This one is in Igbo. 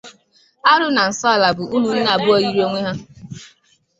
Arụ na Nsọala bụ ụmụnne abụọ yiri onwe ha